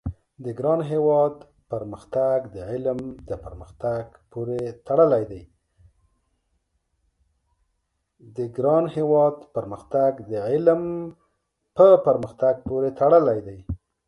د ګران هېواد پرمختګ د علم د پرمختګ پوري تړلی دی